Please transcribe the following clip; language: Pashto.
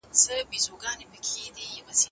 نړۍ د ازموينې ځای دی.